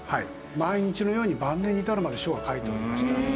毎日のように晩年に至るまで書は書いておりました。